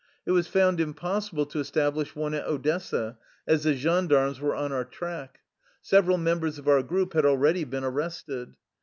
It was found impossible to establish one at Odessa, as the gendarmes were on our track. Several members of our group had already been arrested.